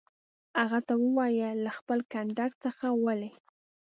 هغه ته وویل: له خپل کنډک څخه ولې.